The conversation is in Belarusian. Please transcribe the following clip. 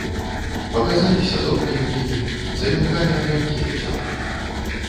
Паказаліся зоркі ў небе, заміргалі аганькі на зямлі.